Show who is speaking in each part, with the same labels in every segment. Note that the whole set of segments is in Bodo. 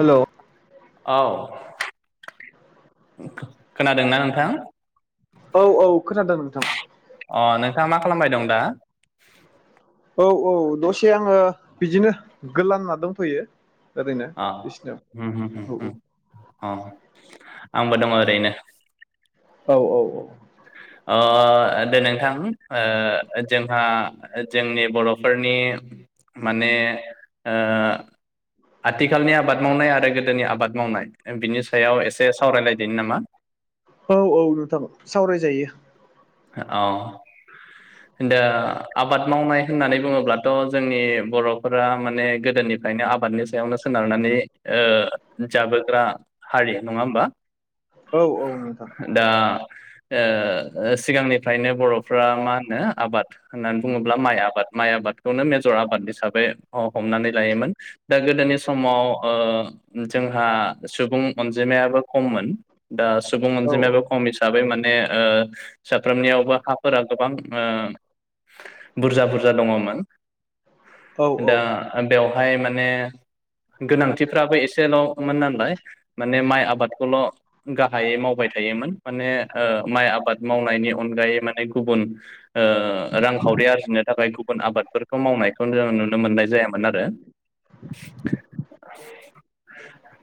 Speaker 1: हेल'
Speaker 2: औ खोनादोंना खो नोंथां?
Speaker 1: औ औ खोनादों औ
Speaker 2: अ नोंथाङा मा खालामबाय दं दा?
Speaker 1: औ औ दसे आङो बिदिनो गोलांना दंथ'यो। ओरैनो
Speaker 2: आ
Speaker 1: बिसिनायाव
Speaker 2: ओम ओम ओम
Speaker 1: औ
Speaker 2: ओम ओ आंबो दङ ओरैनो
Speaker 1: औ औ औ।
Speaker 2: ओ दे नोंथां ओ जोंहा जोंनि बर'फोरनि माने ओ आथिखालनि आबाद मावनाय आरो गोदोनि आबाद मावनाय बिनि सायाव एसे सावरायलायदोनि नामा?
Speaker 1: औ औ नोंथां सावरायजायो।
Speaker 2: औ दा आबाद मावनाय होननानै बुङोब्लाथ' जोंनि बर'फोरा माने गोदोनिफ्रायनो आबादनि सायावनो सोनारनानै ओ जाबोग्रा हारि नङा होमबा?
Speaker 1: औ औ नोंथां।
Speaker 2: दा ओ सिगांनिफ्रायनो बर'फ्रा मा होनो आबाद होननानै बुङोब्ला माइ आबाद माइ आबादखौनो मेजर आबाद हिसाबै हमनानै लायोमोन दा गोदोनि समाव ओ जोंहा सुबुं अनजिमायाबो खममोन। दा सुबुं
Speaker 1: औ औ
Speaker 2: अनजिमायाबो खम हिसाबै मान माने ओ साफ्रोमनियावबो हाफोरा गोबां ओ बुरजा बुरजा दङमोन
Speaker 1: औ औ
Speaker 2: दा बेव हाय माने गोनांथिफ्राबो एसेल'मोन नालाय माने माइ आबादखौल' गाहायै मावबाय थायोमोन माने ओ माइ आबाद मावनायनि अनगायै माने गुबुन ओ रां खावरि आरजिनो जाबाय गुबुन आबादफोर मावनायखौ जों नुनो मोननाय मोन‌ आरो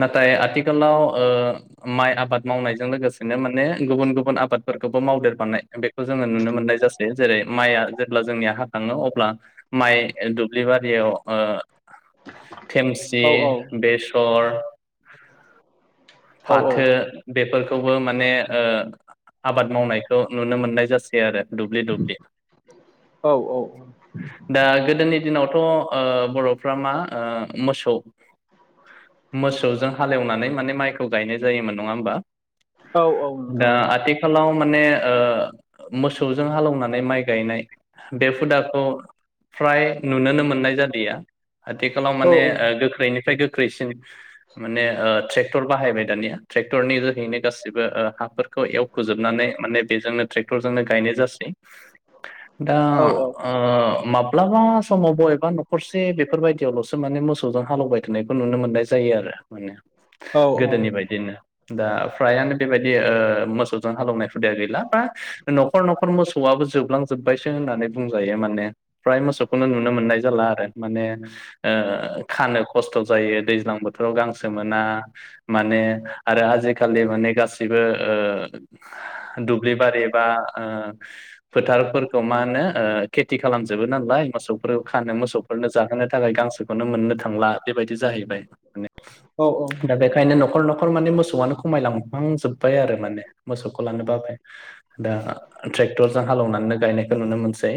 Speaker 2: नाथाय आथिखालाव ओ माइ आबाद मावनायजों लोगोसे बिदिनो माने गुबुन गुबुन आबाद फोरखौबो मावदेरफानाय बेखौ जोङो नुनो मोननाय जासै जेरै माइआ जेब्ला जोंनिया हाखाङो अब्ला माइ बे दुब्लि बारियाव ओ थेमसि
Speaker 1: औ औ
Speaker 2: बेसर [inaudible] फाथो बेेफोर खौबो माने ओ आबाद मावनायखौ नुनो मोननाय जासै आरो दुब्लि दुब्लि
Speaker 1: औ
Speaker 2: दा गोदोनि दिनावथ' ओ बर'फ्रा मा ओ मोसौ मोसौ जों हालेवनानै माने माइखौ गायनाय जायोमोन नङा होमबा?
Speaker 1: औ औ नोंथां औ।
Speaker 2: आव माने ओ मोसौजों हालौनानै माइ गायनाय बे हुदाखौ फ्राय नुनोनो मोननाय जादों गैया आथिखालाव
Speaker 1: औ औ
Speaker 2: माने ओ गोख्रैनिफ्राय गो ख्रैसिन माने ओ ट्रेक्टर ट्रेक्टर बाहायबाय दानिया ट्रेक्टरनि जोहैनो गासिबो हाफोरखौ फोजोबनानै माने बेजोंनो ट्रेक्टरजोंनो गायनाय जासै दा
Speaker 1: औ औ
Speaker 2: ओ माब्लाबा समाव बबेबा न'खरसे बेफोरबायदियावल'सो माने मोसौजों हालौवबाय थानायखौ नुनो मोननाय जायो आरो माने
Speaker 1: ओ
Speaker 2: गोदोनि बायदिनो दा फ्रायानो बेबायदि ओ मोसौ जों हालौवनाय हुदा गैला बा न'खर न'खर मोसौआबो जोबलांजोबबायसो होननानै बुंजायो माने फ्राय मोसौखौनो नुनो मोननाय जाला आरो माने खानो खस्थ' जायो दैज्लां बोथोराव गांसो मोना माने आरो आजिखालि माने गासिबो ओ दुब्लि बारि बा ओ फोथारफोरखौ मा होनो ओ खेथि खालामजोबो नालाय मोसौफोर खानो मोसौफोरनो जाहोनो थाखाय गांसोखौनो मोननो थांला बेबायदि जाहैबाय माने दा बेखायनो नखर नखर। थार माने मोसौआनो खमायलांहांजोबबाय आरो माने। मोसौखौ लानो बाबाय दा ट्रेक्टरजों हालौनानैनो गायनाय। नुनो मोनसै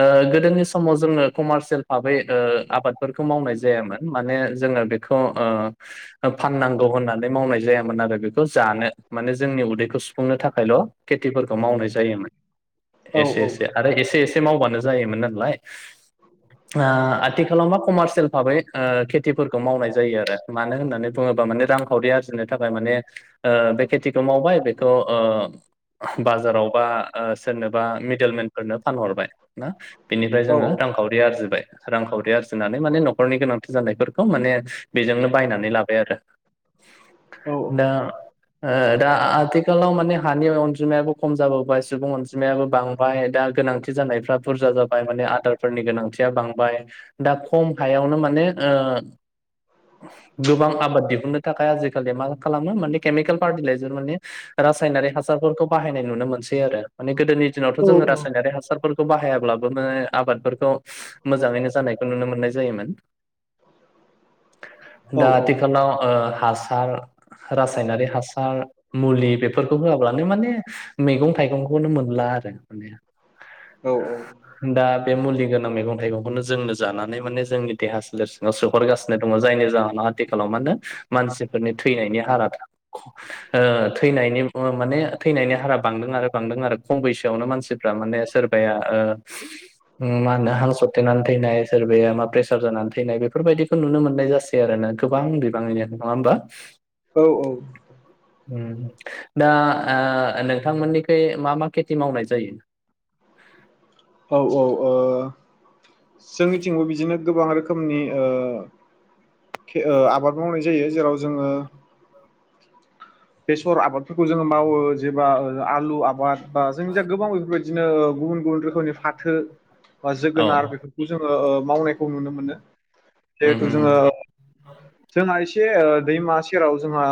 Speaker 2: ओ गोदोनि समाव जोङो कमार्चेल फाबै ओ-आबादफोरखौ मावनाय जायामोन माने जोंङो बेखौ ओ फाननांगौ होन्नानै मावनाय जायामोन आरो बेखौ जानो माने जोंनि उदै फुंनो थाखायल खेथिफोरखौ मावनाय जायोमोन एसे एसे आरो एसे एसे। मावबानो जायोमोन नालाय ओ-आथिखालाव मा कमार्चेल भाबै ओ खेथिफोरखौ मावनाय जायो आरो मानो होननानै बुङोबा माने रांखावरि आरजिनो थाखाय माने ओ-बे खेथिखौ मावबाय। थ ओ- बाजाराव बा सोरनोबा मिडेलमेनफोरनो फानहरबाय ना। बिनिफ्राय जोङो रांखावरि आरजिबाय। रांखावरि आरजिनानै माने नखरनि गोनांथि जानायफोरखौ माने बिजोंनो बायनानै लाबाय आरो। दा ओ-दा आथि आथिखालाव माने हानि अनजिमायाबो खम जाबोबाय सुबुं अनजिमायाबो बांबाय दा गोनांथि जानायफ्रा बुरजा जाबाय माने आदारफोरनि गोनांथिया बांबाय दा खम हायावनो माने ओ-गोबां आबाद दिहुन्नो थाखाय आजिखालि मा खालामो माने केमिकेल फार्टिलाइजार माने। रासायनारि हासारफोरखौ बाहायनाय नुनो मोनसै आरो माने गोदोनि- दिनावथ जो रासायनारि हासारफोर खौ बाहायाब्लाबोनो आबादफोरखौ मोजाङैनो जानायखौ नुनो मोननाय जायोमोन। दा आथिखालाव ओ हासार रासायनारि हासा [unintelligible] मुलि बे फोरखौ बुङोब्लानो माने मैगं थाइगंखौनो मोनला आरो माने। दा बे मुलि गोनां मैगं थाइगंखौनो जोंनो जानानै माने जोंनि देहा सोलेर सोहरगासिनो दङ जायनि जाहोना। थिखालाव मा होनो मानसिफोरनि थैनायनि हारा ओ-थैनायनि। माने थैनायनि हारा बांदों आरो बांदों आरो खम बैसोआवनो मानसिफ्रा माने सोरबाया-ओ मा होनो हांसरथेनानै थैनाय सोरबाया मा प्रेसार जानानै थैनाय बेफोरबायदिखौ नुनो मोननाय जासै आरो ना गोबां बिबांनो नङा होमबा।
Speaker 1: औ औ
Speaker 2: ओम दा ओ-नोंथांमोननिखै मा मा खेथि मावनाय जायो?
Speaker 1: औ औ ओ जोंनिथिंबो बिदिनो। गोबां रोखोमनि ओ ओ आबाद मावनाय जायो जेराव जोङो। बेसर आबादफोरखौ जोङो मावो जेबा ओ [unintelligible] आलु आबाद बा जोंनि जा गोबां बेफोरबायदिनो गुबुन गुबुन रोखोमनि फाथो बा
Speaker 2: औ
Speaker 1: जोगोनार बेफोरखौ जोङो ओ मावनायखौ नुनो मोनो।
Speaker 2: उम
Speaker 1: जिहेथु जोङो।
Speaker 2: उम
Speaker 1: जोंना एसे ओ दैमा सेराव जोंहा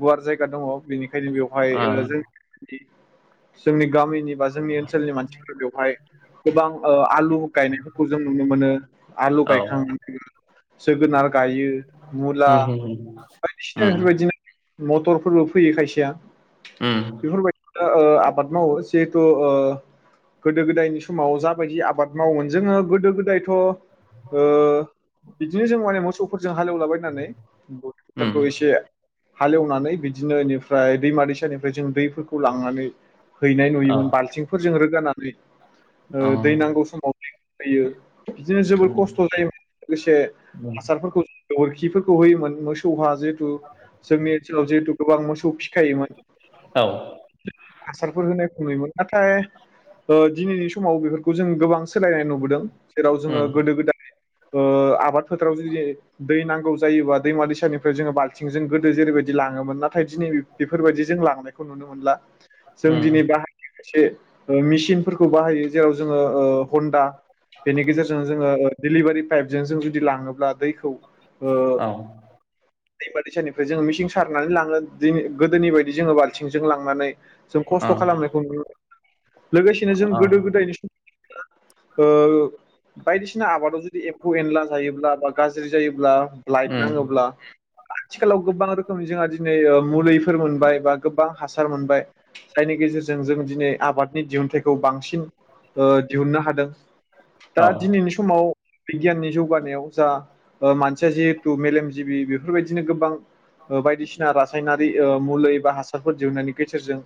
Speaker 1: गुवार जायगा दङ बेनि बेओंखायनो बेवहाय
Speaker 2: ओ
Speaker 1: जों जोंनि गामिनि बा जोंनि ओनसोलनि मानसिफोरा बेवहाय गोबां ओ आलु गायनायफोरखौ जों नुनो मोनो आलु
Speaker 2: औ
Speaker 1: गायखां जोगोनार गायो मुला
Speaker 2: उम उम
Speaker 1: बायदिसिना
Speaker 2: उम
Speaker 1: बेफोरबायदिनो मटरफोरबो फैयो खायसेया
Speaker 2: उम
Speaker 1: बेफोरबायदि ओ आबाद मावो जिहेथु गोदो गोदायनि समाव जाबायदि आबाद मावोमोन जोङो गोदो गोदायथ' ओ बिदिनो जों माने मोसौफोरजों हालेवलाबायनानै ग
Speaker 2: उम
Speaker 1: फोथारखौ एसे हालेवनानै बिदिनो बेनिफ्राय दैमा दैसानिफ्राय जों दैफोरखौ लांनानै हैनाय
Speaker 2: औ
Speaker 1: नुयोमोन बाल्थिंफोरजों रोगानानानै ग
Speaker 2: औ
Speaker 1: ओ दै नांगौ समाव यो बिदिनो जोबोर
Speaker 2: उम
Speaker 1: खस्थ' जायोमोन लोगोसे
Speaker 2: उम
Speaker 1: हासारफोरखौ गोबोरखिफोरखौ होयोमोन मोसौ हा जिहेतु जोंनि ओनसोलाव जिहेतु गोबां मोसौ फिखायोमोन
Speaker 2: औ
Speaker 1: हासारफोर होनायखौ नुयोमोन नाथाय दिनैनि समाव बेफोरखौ जों गोबां सोलायनाय नुबोदों जेराव जोङो
Speaker 2: उम
Speaker 1: गोदो गोदाय ओ आबाद फोथारावदि दै नांगौ जायोबा दैमा दैसानिफ्राय जोङो बाल्थिंजों गोदो जेरैबायदि लाङोमोन नाथाय दिनै बेफोरबायदि जों लांनायखौ नुनो मोनला जों दिनै
Speaker 2: उम
Speaker 1: बाहायनि सासे मेसिनफोरखौ बाहायो जेराव जोङो ओ हन्दा बेनि गेजेरजों जोङो डिलिभारि पाइपजों जों जुदि लाङोब्ला दैखौ
Speaker 2: औ
Speaker 1: दै बा दैसानिफ्राय जोङो मिसिं सारनानै लाङो दिनै गोदोनि बायदि जोङो बाल्थिंजों लांनानै जों
Speaker 2: औ
Speaker 1: खस्थ' खालामनायखौ नु लोगोसेनो जों
Speaker 2: औ
Speaker 1: गोदो गोदायनि सम ओ बायदिसिना आबादाव जुदि एफ्फौ एनला जायोब्ला बा गाज्रि जायोब्ला लाइट
Speaker 2: उम
Speaker 1: नाङोब्ला आथिखालाव गोबां रोखोमनि जोंहा दिनै मुलिफोर मोनबाय बा गोबां हासार मोनबाय जायनि गेजेरजों जों दिनै आबादनि दिहुनथाइखौ बांसिन ओ दिहुननो हादों दा
Speaker 2: औ
Speaker 1: दिनैनि समाव बिगियाननि जौगानायाव जा ओ मानसिया जिहेथु मेलेमजिबि बेफोरबायदिनो गोबां ओ बायदिसिना रासायनारि ओ मुलै बा हासारफोर दिहुननायनि गेजेरजों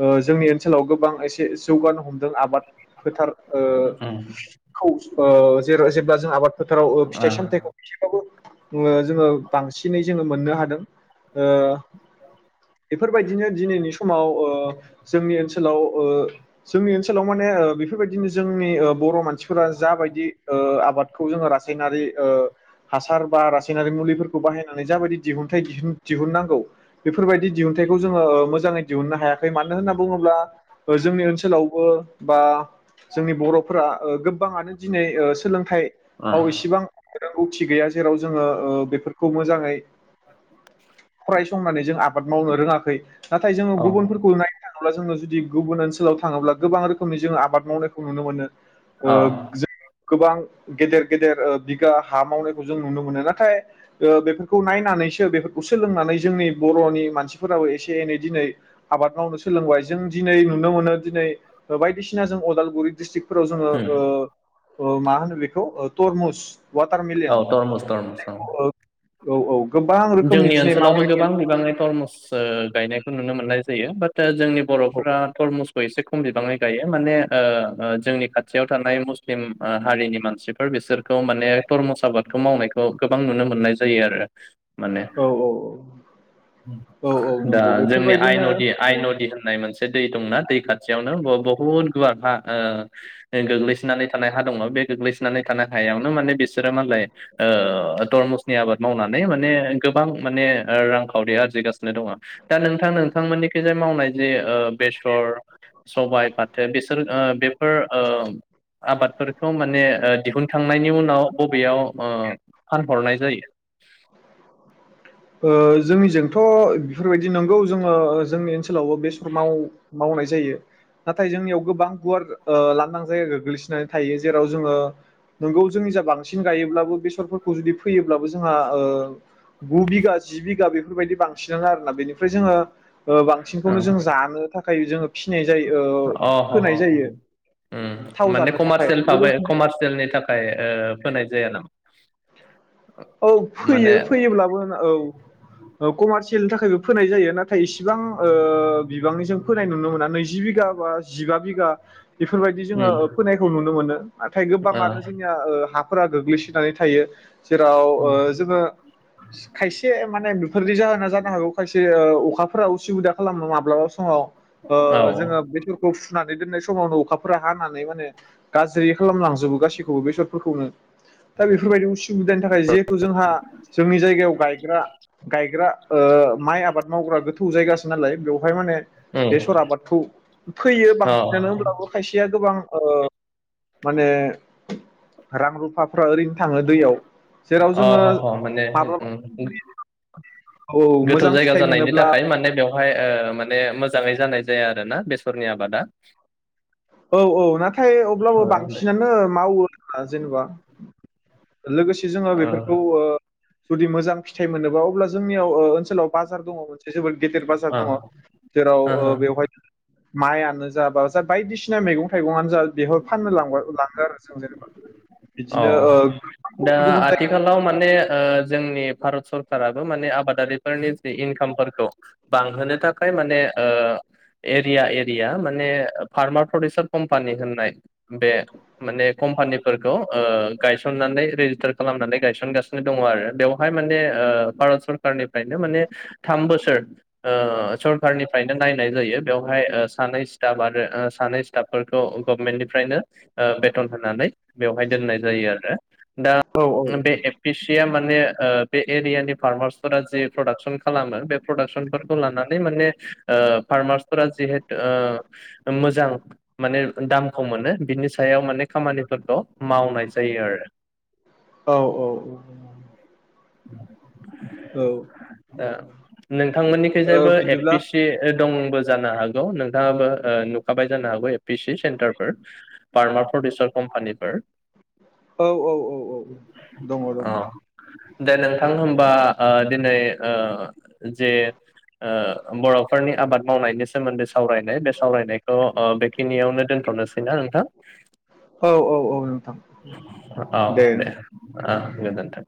Speaker 1: ओ जोंनि ओनसोलाव गोबां एसे जौगानो हमदों आबाद फोथार ओ
Speaker 2: उम
Speaker 1: खौ ओ जे जेब्ला जों आबाद फोथाराव फिथाइ सामथायाइखौ बो जोङो बांसिनै जोङो मोननो हादों ओ बेफोरबायदिनो दिनैनि समाव ओ जोंनि ओनसोलाव ओ जोंनि ओनसोलाव माने ओ बेफोर बायदिनो जोंनि ओ बर' मान मानसिफोरा जाबायदि ओ आबादखौ जोङो रासायनारि ओ हासार बा रासायनारि मुलिफोरखौ बाहायनानै जाबायदि दिहुनथाइ दिहुननांगौ बेफोर बायदि दिहुनथाइखौ जोङो ओ मोजाङै दिहुननो हायाखै मानो होन्ना बुङोब्ला ओ जोंनि ओनसोलावबो बा जोंनि बर'फोरा ओ गोब गोबांङानो दिनै ओ सोलोंथाइ आव
Speaker 2: ओ
Speaker 1: एसेबां रोंगौथि गैया जेराव जोङो ओ बेफोरखौ मोजाङै फरायसंनानै जों आबाद मावनो रोङा खै नाथाय जोङो
Speaker 2: ओ
Speaker 1: गुबुनफोरखौ नायनो थाङोब्ला जोङो जुदि गुबुन ओनसो सोलाव थाङोब्ला गोबां रोखोमनि जोङो आबाद मावनायखौ नुनो मोनो ओ
Speaker 2: औ
Speaker 1: जो गोबां गेदेर गेदेर ओ बि गा हा मावनायखौ जों नुनो मोनो नाथाय ओ बेफोरखौ नायनानैसो बेफोरखौ सोलोंनानै जोंनि बर'नि मानसिफोराबो एसे एनै दिनै आबाद मावनो सोलोंबाय जों दिनै नुनो मोनो दिनै बायदिसिना जों उदालगुरि डिस्ट्रिक फोराव जोङो
Speaker 2: उम
Speaker 1: ओ ओ मा होनो बेखौ तरमुस
Speaker 2: औ
Speaker 1: वाटारमेलेन
Speaker 2: थरमस थरमस औ
Speaker 1: औ औ गोबां रोखोमनि
Speaker 2: जोंनि
Speaker 1: दिनै
Speaker 2: ओनसोलावबो
Speaker 1: मावनायखौ
Speaker 2: गोबां बिबाङै थरमुस ओ गायनायखौ नुनो मोननाय जायो बात ओ जोंनि बर'फोरा थरमुस खौ एसे खम बिबांङै गायो माने ओ ओ जोंनि खाथियाव थानाय मुस्लिम ओ हारिनि मानसिफोर बिसोरखौ माने थरमुस आबादखौ मावनायखौ गोबां नुनो मोननाय जायो आरो माने
Speaker 1: औ औ औ
Speaker 2: दा
Speaker 1: नंगौ
Speaker 2: जोंनि आइ
Speaker 1: बेफोरबायदिनो
Speaker 2: नदि
Speaker 1: औ
Speaker 2: आइ नदि होननाय मोनसे दै दंना दै खाथियावनो बुहुत गुवार हा ओ गोग्लैसोनानै थानाय हा दङ बे गोग्लैसानै थानाय हायावनो माने बिसोरो मालाय ओ तरमुसनि आबाद मावनानै माने गोबां माने रांखावरिया आरजिगासिनो दङ दा नोंथां नोंथांमोननिखै जाय मावनाय जि ओ बेसर सबाय फाथो बेसोर ओ बेफोर ओ आबादफोरखौ माने ओ दिहुनखांनायनि उनाव बबेयाव ओ फानहरनाय जायो [inaudible]
Speaker 1: ओ जोंनिजोंथ' बेफोर बायदि नंगौ जोङो ओ जोंनि ओनसो लाव‌ बेसर माव मावनाय जायो नाथाय जोंनियाव गोबां गुवार ओ लांदां जाया गोग्लैसोनानै थायो जेराव जोङो नोंगौ जोंनि जा बांसिन गायोब्लाबो बेसरफोरखौ जुदि फैयोब्लाबो जोंहा ओ गु बिघा जि बिघा बेफोर बायदि बांसिनानो आरोना बेनिफ्राय जोङो ओ बांसिनखौनो जों
Speaker 2: ओ
Speaker 1: जानो थाखाय [unintelligible] जोङो फिनाय जायो ओ
Speaker 2: अ ह
Speaker 1: फोनाय
Speaker 2: ह
Speaker 1: जायो
Speaker 2: ओम
Speaker 1: थाव
Speaker 2: माने
Speaker 1: जानो
Speaker 2: उम
Speaker 1: थाखाय
Speaker 2: कमारसियेल फाबोय
Speaker 1: लोगोसे
Speaker 2: कमार्सियेलनि थाखाय ओ फोनाय जाया नामा?
Speaker 1: औ फैयो
Speaker 2: माने
Speaker 1: फैयोब्लाबो औ कमारसि थाखायबो फोनाय जायो नाथाय नाथाय इसिबां ओ बिबांनिजों फोनाय नुनो मोना नैजि बिघा बा जिबा बिघा बेफोरबायदि जोङो
Speaker 2: उम
Speaker 1: फोनायखौ नुनो मोनो नाथाय
Speaker 2: ओ
Speaker 1: गोबाङानो जोंनिया ओ हा [unintelligible] गोग्लैसोनानै थायो। जेराव ओ जोङो खायसे माने बेफोरनि जाहोना जानो हागौ खायसे ओ [unintelligible] हाफोरा उसुबिदा खालामनो माब्लाबा समाव ओ
Speaker 2: औ
Speaker 1: जोङो बेसरखौ फुनानै दोननाय समावनो अखाफोरा हानानै माने गाज्रि खालामलांजोबो गासैखौबो बेसरफोरखौनो दा बेफोरबायदियावनो सुबिदानि थाखाय जिहेथु जोंहा जोंनि जायगायाव गायग्रा- गायग्रा ओ माइ आबाद मावग्रा गोथौ जायगासो नालाय बेवहाय माने
Speaker 2: उम
Speaker 1: बेसर आबादखौ फैयो
Speaker 2: औ
Speaker 1: बांसिनानो होनोमब्लाबो खायसेया गोबां माने रां- रुफा ओरैनो थाङो दैयाव जेराव
Speaker 2: अ
Speaker 1: जोङो
Speaker 2: ह ह माने उम
Speaker 1: माब्लाबा औ
Speaker 2: गोथौ
Speaker 1: मोजां
Speaker 2: जायगा
Speaker 1: फिथाइ
Speaker 2: जानायनि
Speaker 1: मोनोब्ला
Speaker 2: थाखाय माने बेयाव बेयावहाय माने मोजाङै जानाय जायो आरोना बेसरनि आबादा।
Speaker 1: औ औ नाथाय अब्लाबो
Speaker 2: ओ दे
Speaker 1: बांसिनानो मावो आरो जेनेबा लोगोसे जोङो
Speaker 2: ओ
Speaker 1: बेफोरखौ ओ जुदि मोजां फिथाइ मोनोबा अब्ला जोंनियाव ओनसोलाव बाजार दङ। जोबोद गेदेर बाजार
Speaker 2: ओ
Speaker 1: दङ जेराव
Speaker 2: ओ हो
Speaker 1: बेवहाय माइानो जाब जा बायदिसिना बिसिना मैगं -थाइगङानो जा [unintelligible] फाननो लां -लाङो आरो। [unintelligible]
Speaker 2: औ
Speaker 1: ओ गोबां
Speaker 2: दा
Speaker 1: गुबुन गुबुन जायगा
Speaker 2: आथिखालाव माने ओ जोंनि भारत सरकाराबो माने आबादारिफोरनि जि इनकामफोरखौ बांहोनो थाखाय माने ओ एरिया एरिया माने फार्मार प्रडिउसार कम्पानि होननाय बे माने कम्पानिफोर खौ ओ गायसननानै रेजिस्टार खालामनानै गायसनगासिनो दङ आरो बेवहाय माने ओ भारत सरखारारनिफ्रायनो माने थाम बोसोर ओ सरखारनिफ्रायनो नायनाय जायो बेवहाय सानै स्टाफ आरो सानै स्टाफफोरखौ गभमेन्टनिफ्रायनो बेथन होनानै बेवहाय दोननाय जायो आरो दा
Speaker 1: औ औ
Speaker 2: बे एफिस या माने ओ बे एरियानि फार्मार्सफोरा जि प्रडाक्सन खालामो बे प्रदाक्सनफोरखौ लानानै माने ओ फार्मार्स फोर जिहेथु ओ मोजां माने दामखौ मोनो बिनि सायाव माने खामानि फोरखौ मावनाय जायो आरो
Speaker 1: औ औ
Speaker 2: ओ नोंथांमोननिखै
Speaker 1: ओ
Speaker 2: जायबो एफ
Speaker 1: बिदिब्ला
Speaker 2: पि सि दंबो जानो हागौ नोंथाङाबो ओ नुखाबाय जानो हागौ ए पि सि सेन्टारफोर फार्मार प्रडउसार कम्पानिफोर
Speaker 1: औ औ औ औ दङ दङ
Speaker 2: अ दे नोंथां होनबा ओ दिनै ओ जे ओ बर'फोरनि आबाद मावनायनि सोमोन्दै सा वरायनाय बे सावरायनायखौ ओ बेखिनियावनो दोनथ'नोसैना नोंथां
Speaker 1: औ औ औ नोंथां
Speaker 2: औ
Speaker 1: दे नोंथां।
Speaker 2: ओ गोजोन्थों